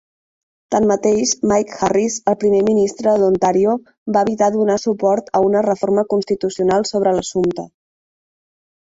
Tanmateix, Mike Harris, el primer ministre d'Ontàrio va evitar donar suport a una reforma constitucional sobre l'assumpte.